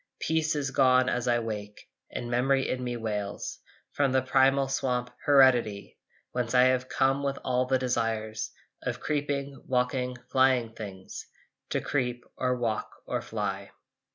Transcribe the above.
Peace is gone as I wake And memory in me wails From the primal swamp, Heredity, Whence I have come with all the desires Of creeping, walking, flying things, To creep or walk or fly.